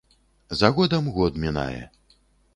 За годам год мінае.